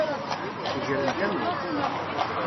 Gren tamawt.